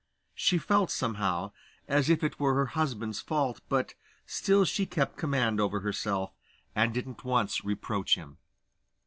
She felt, somehow, as if it was her husband's fault, but still she kept command over herself, and didn't once reproach him.